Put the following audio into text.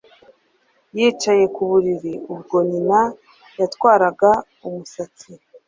Yicaye ku buriri ubwo nyina yatwaraga umusatsi